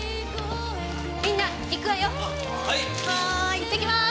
行ってきます！